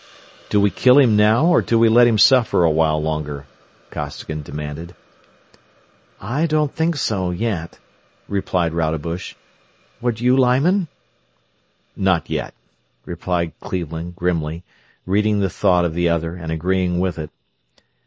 "Do we kill him now or do we let him suffer a while longer?" Costigan demanded. "I don't think so, yet," replied Rodebush. "Would you, Lyman?" "Not yet," replied Cleveland, grimly, reading the thought of the other and agreeing with it.